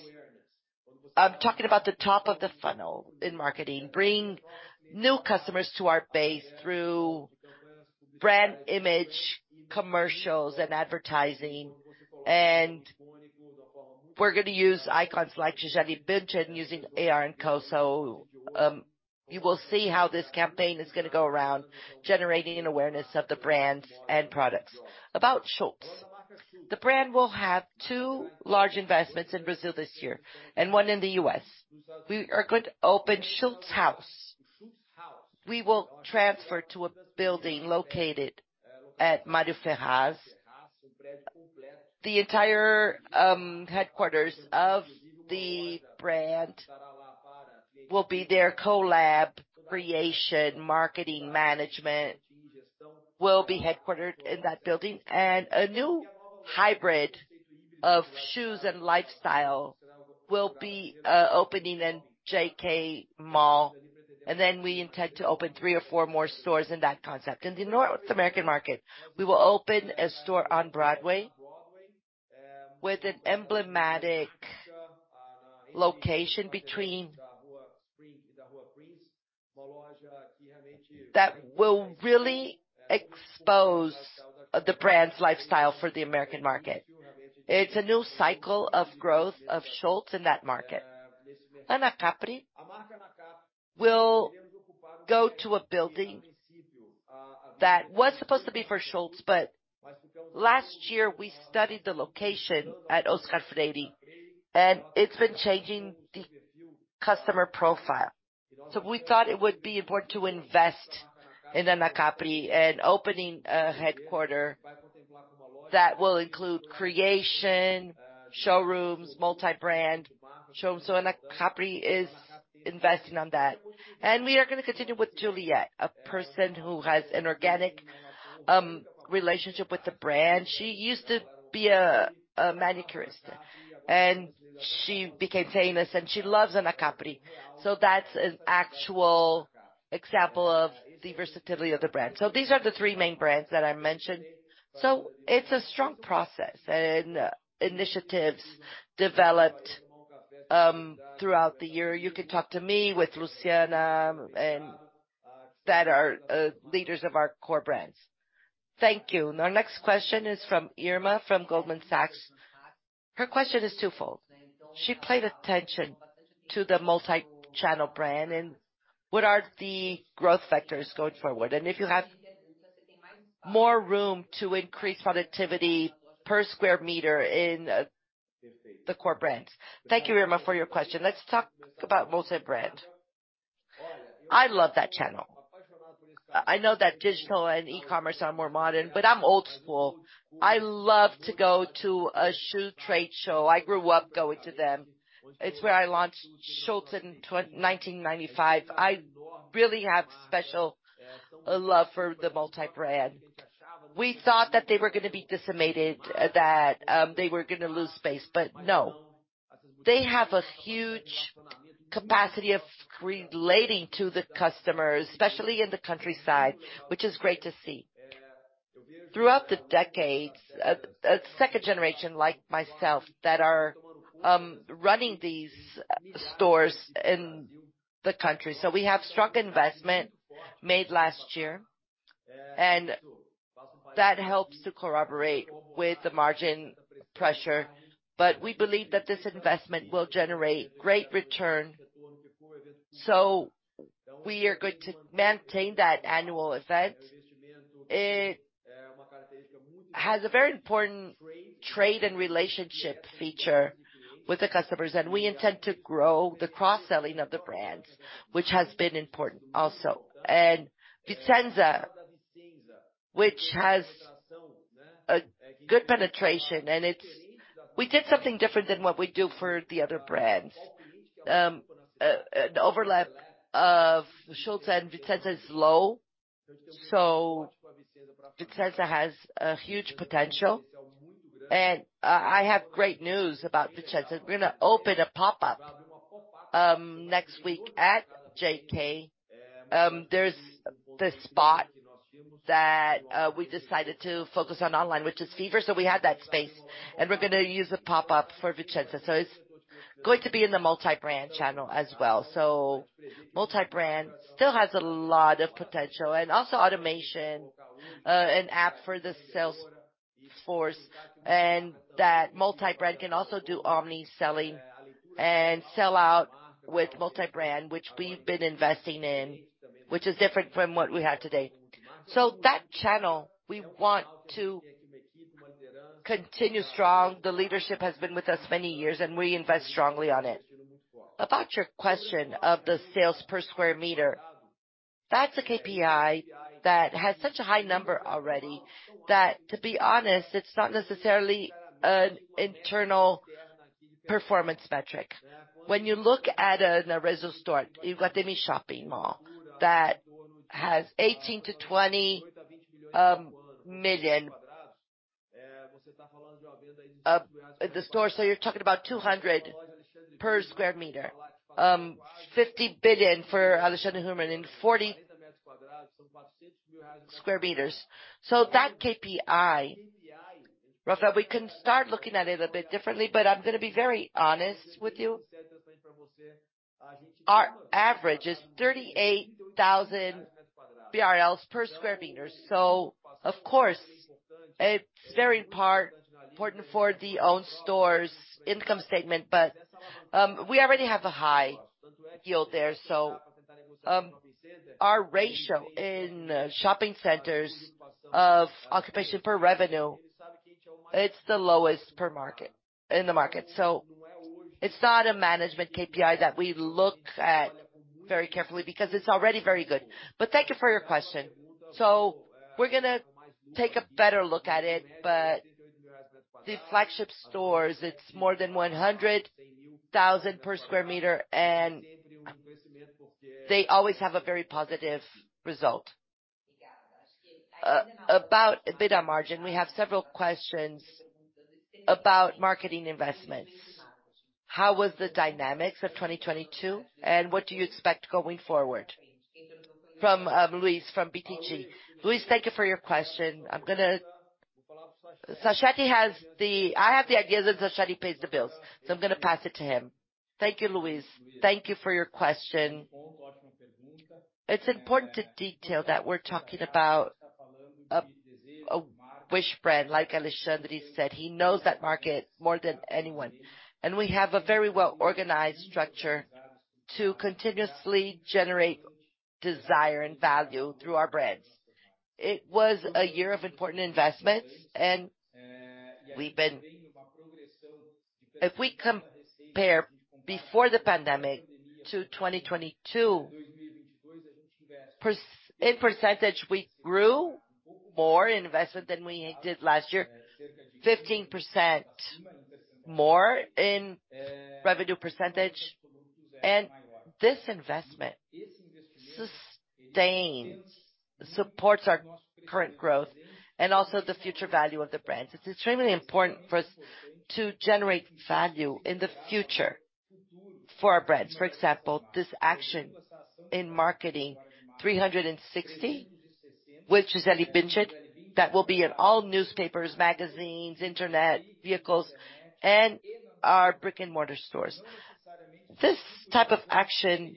I'm talking about the top of the funnel in marketing, bringing new customers to our base through brand image commercials and advertising. We're gonna use icons like Gisele Bündchen using AR&Co. You will see how this campaign is gonna go around generating an awareness of the brands and products. About Schutz. The brand will have two large investments in Brazil this year and one in the U.S. We are going to open Schutz Haus. We will transfer to a building located at Mario Ferraz. The entire headquarters of the brand will be their collab, creation, marketing, management will be headquartered in that building. A new hybrid of shoes and lifestyle will be opening in JK Mall. We intend to open three or four more stores in that concept. In the North American market, we will open a store on Broadway with an emblematic location between that will really expose the brand's lifestyle for the American market. It's a new cycle of growth of Schutz in that market. Anacapri will go to a building that was supposed to be for Schutz, but last year, we studied the location at Oscar Freire, and it's been changing the customer profile. We thought it would be important to invest in Anacapri and opening a headquarter that will include creation, showrooms, multi-brand showrooms. Anacapri is investing on that. We are gonna continue with Juliette, a person who has an organic relationship with the brand. She used to be a manicurist, and she became famous, and she loves Anacapri. That's an actual example of the versatility of the brand. These are the three main brands that I mentioned. It's a strong process and initiatives developed throughout the year. You can talk to me, with Luciana and that are leaders of our core brands. Thank you. Our next question is from Irma, from Goldman Sachs. Her question is twofold. She paid attention to the multi-channel brand and what are the growth factors going forward, and if you have more room to increase productivity per square meter in the core brands. Thank you, Irma, for your question. Let's talk about multi-brand. I love that channel. I know that digital and e-commerce are more modern, but I'm old school. I love to go to a shoe trade show. I grew up going to them. It's where I launched Schutz in 1995. I really have special love for the multi-brand. We thought that they were going to be decimated, that they were going to lose space. No. They have a huge capacity of relating to the customers, especially in the countryside, which is great to see. Throughout the decades, a second generation like myself that are running these stores in the country. We have strong investment made last year, and that helps to corroborate with the margin pressure, but we believe that this investment will generate great return. We are going to maintain that annual event. It has a very important trade and relationship feature with the customers, and we intend to grow the cross-selling of the brands, which has been important also. Vicenza, which has a good penetration. We did something different than what we do for the other brands. An overlap of Schutz and Vicenza is low, so Vicenza has a huge potential. I have great news about Vicenza. We're gonna open a pop-up next week at JK, there's the spot that we decided to focus on online, which is Fiever. We had that space, and we're gonna use the pop-up for Vicenza. It's going to be in the multi-brand channel as well. Multi-brand still has a lot of potential, and also automation, an app for the sales force, and that multi-brand can also do omni-selling and sell-out with multi-brand, which we've been investing in, which is different from what we have today. That channel, we want to continue strong. The leadership has been with us many years, and we invest strongly on it. About your question of the sales per square meter, that's a KPI that has such a high number already that, to be honest, it's not necessarily an internal performance metric. When you look at an Arezzo store, Iguatemi shopping mall that has 18 million-20 million the store. You're talking about 200 per sq m. 50 billion for Alexandre Birman in 40 sq m. That KPI, Rafael, we can start looking at it a bit differently, but I'm gonna be very honest with you. Our average is 38,000 BRL per sq m. Of course, it's very important for the own store's income statement, but we already have a high yield there. Our ratio in shopping centers of occupation per revenue, it's the lowest in the market. It's not a management KPI that we look at very carefully because it's already very good. Thank you for your question. We're gonna take a better look at it, but the flagship stores, it's more than 100,000 per sq m, and they always have a very positive result. About EBITDA margin, we have several questions about marketing investments. How was the dynamics of 2022, and what do you expect going forward? From Luis from BTG. Luis, thank you for your question. I'm gonna... I have the ideas, and Sachete pays the bills, I'm gonna pass it to him. Thank you, Luis. Thank you for your question. It's important to detail that we're talking about a wish brand, like Alexandre said. He knows that market more than anyone. We have a very well-organized structure to continuously generate desire and value through our brands. It was a year of important investments, and we've been... If we compare before the pandemic to 2022, in percentage, we grew more investment than we did last year, 15% more in revenue percentage. This investment sustains, supports our current growth and also the future value of the brands. It's extremely important for us to generate value in the future for our brands. For example, this action in marketing, 360, with Gisele Bündchen, that will be in all newspapers, magazines, internet, vehicles, and our brick-and-mortar stores. This type of action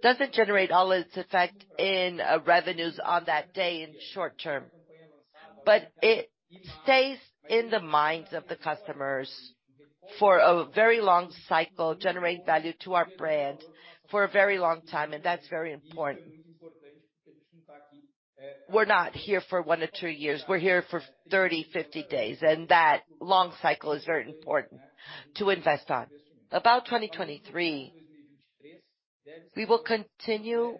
doesn't generate all its effect in revenues on that day in short term, but it stays in the minds of the customers for a very long cycle, generating value to our brand for a very long time, and that's very important. We're not here for one to two years. We're here for 30, 50 days, and that long cycle is very important to invest on. About 2023, we will continue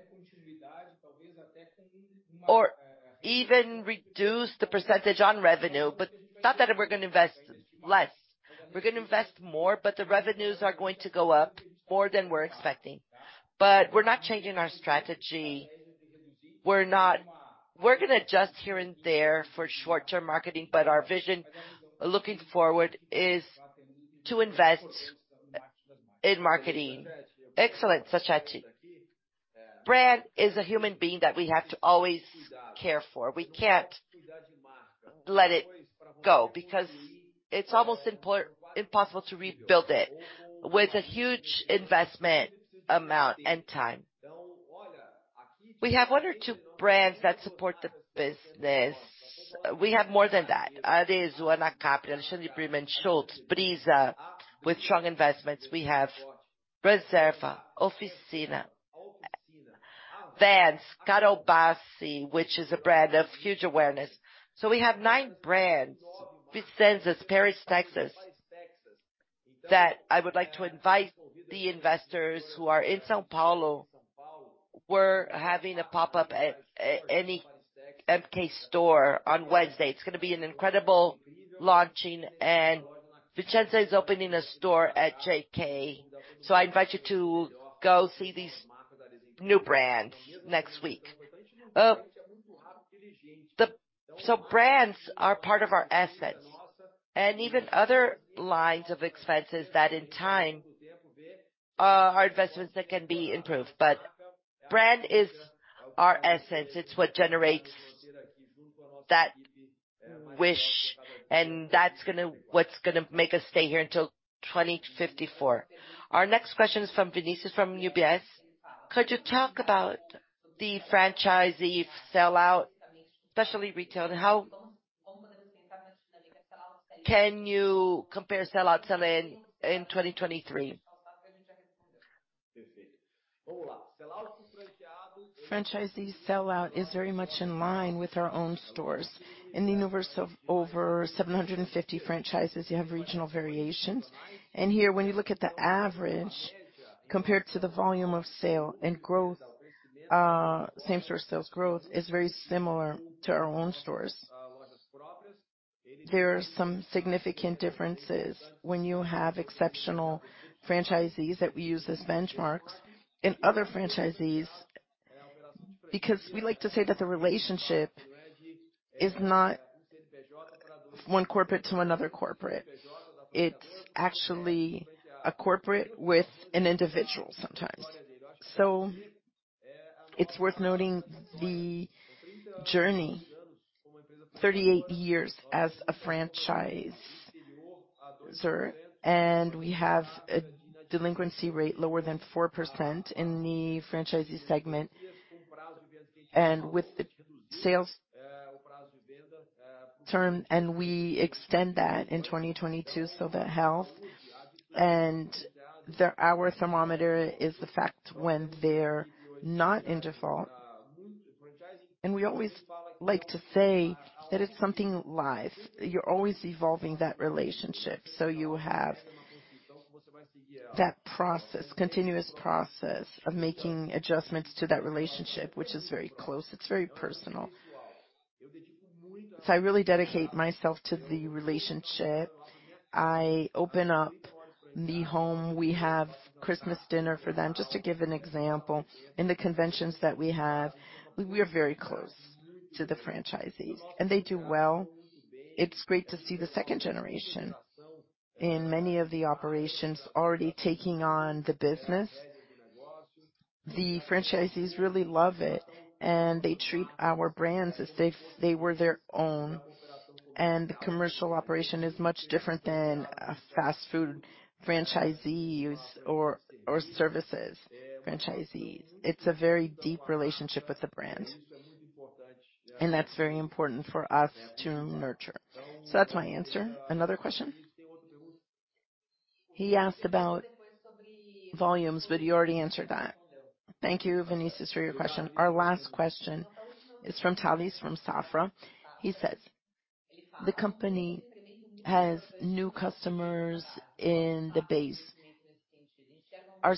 or even reduce the percentage on revenue, but not that we're gonna invest less. We're gonna invest more, but the revenues are going to go up more than we're expecting. We're not changing our strategy. We're gonna adjust here and there for short-term marketing, but our vision looking forward is to invest in marketing. Excellent, Sachete. Brand is a human being that we have to always care for. We can't let it go because it's almost impossible to rebuild it with a huge investment amount and time. We have one or two brands that support the business. We have more than that. Arezzo, Anacapri, Alexandre Birman, Schutz, Brizza, with strong investments. We have Reserva, Oficina, Vans, Carol Bassi, which is a brand of huge awareness. We have nine brands, Vicenza, Paris, Texas, that I would like to invite the investors who are in São Paulo. We're having a pop-up at NK Store on Wednesday. It's gonna be an incredible launching, and Vicenza is opening a store at JK. I invite you to go see these new brands next week. So brands are part of our assets and even other lines of expenses that in time are investments that can be improved. Brand is our essence. It's what generates that wish and what's gonna make us stay here until 2054. Our next question is from Vinicius from UBS. Could you talk about the franchisee sell-out, especially retail, and how can you compare sell-outs sell-in in 2023? Franchisee sell-out is very much in line with our own stores. In the universe of over 750 franchises, you have regional variations. Here, when you look at the average compared to the volume of sale and growth, same-store sales growth is very similar to our own stores. There are some significant differences when you have exceptional franchisees that we use as benchmarks and other franchisees, because we like to say that the relationship is not one corporate to another corporate. It's actually a corporate with an individual sometimes. It's worth noting the journey 38 years as a franchisor. We have a delinquency rate lower than 4% in the franchisee segment. With the sales term, we extend that in 2022, so that helps. Our thermometer is the fact when they're not in default. We always like to say that it's something live. You're always evolving that relationship. You have that process, continuous process of making adjustments to that relationship, which is very close. It's very personal. I really dedicate myself to the relationship. I open up the home. We have Christmas dinner for them, just to give an example. In the conventions that we have, we are very close to the franchisees, they do well. It's great to see the second generation in many of the operations already taking on the business. The franchisees really love it, they treat our brands as if they were their own. Commercial operation is much different than a fast food franchisees or services franchisees. It's a very deep relationship with the brand, that's very important for us to nurture. That's my answer. Another question? He asked about volumes, you already answered that. Thank you, Vinicius, for your question. Our last question is from Tavis from Safra. He says, "The company has new customers in the base. Are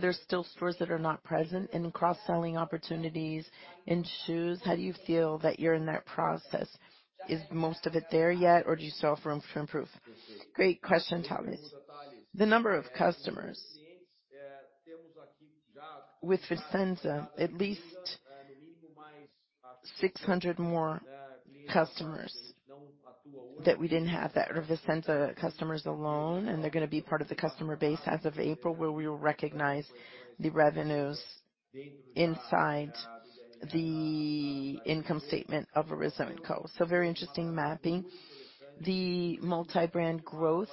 there still stores that are not present in cross-selling opportunities in shoes? How do you feel that you're in that process? Is most of it there yet, or do you still have room for improve? Great question, Tavis. The number of customers. With Vicenza, at least 600 more customers that we didn't have that are Vicenza customers alone, and they're gonna be part of the customer base as of April, where we will recognize the revenues inside the income statement of Arezzo & Co. Very interesting mapping. The multi-brand growth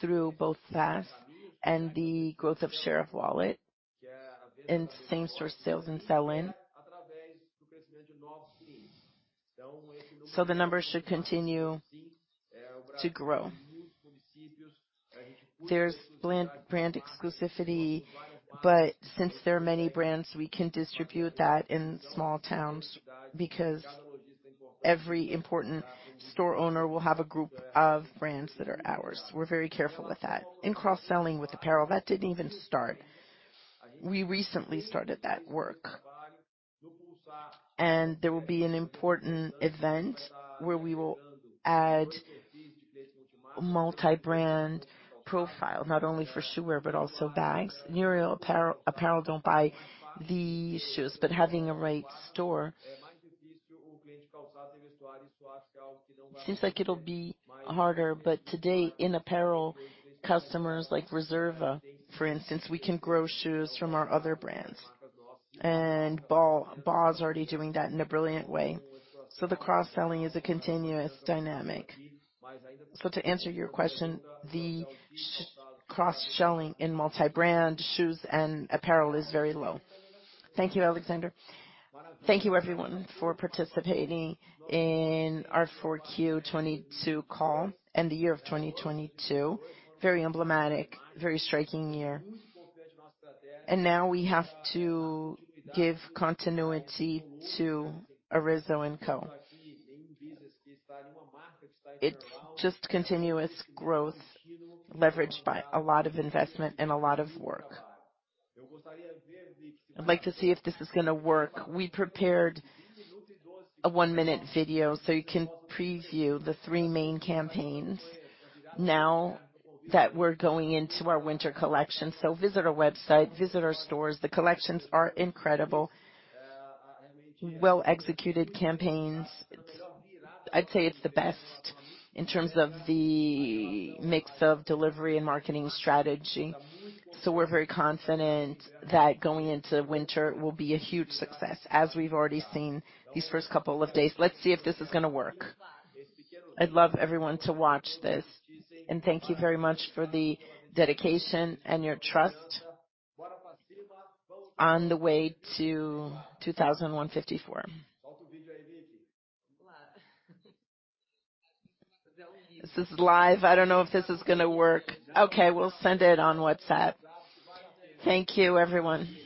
through both [SaaS] and the growth of share of wallet and same-store sales and sell-in. The numbers should continue to grow. There's brand exclusivity, but since there are many brands, we can distribute that in small towns because every important store owner will have a group of brands that are ours. We're very careful with that. In cross-selling with apparel, that didn't even start. We recently started that work. There will be an important event where we will add multi-brand profile, not only for shoe wear, but also bags. New apparel don't buy the shoes, but having a right store. It seems like it'll be harder, but today in apparel, customers like Reserva, for instance, we can grow shoes from our other brands. BAW is already doing that in a brilliant way. The cross-selling is a continuous dynamic. To answer your question, the cross-selling in multi-brand shoes and apparel is very low. Thank you, Alexandre. Thank you everyone for participating in our 4Q 2022 call and the year of 2022. Very emblematic, very striking year. Now we have to give continuity to Arezzo & Co. It's just continuous growth leveraged by a lot of investment and a lot of work. I'd like to see if this is going to work. We prepared a one-minute video so you can preview the three main campaigns now that we're going into our winter collection. Visit our website, visit our stores. The collections are incredible. Well-executed campaigns. I'd say it's the best in terms of the mix of delivery and marketing strategy. We're very confident that going into winter will be a huge success, as we've already seen these first couple of days. Let's see if this is going to work. I'd love everyone to watch this. Thank you very much for the dedication and your trust on the way to Azzas 2154. This is live. I don't know if this is going to work. We'll send it on WhatsApp. Thank you everyone.